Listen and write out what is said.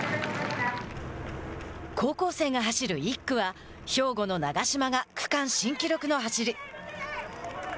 高校生が走る１区は兵庫の長嶋が区間新記録の走り。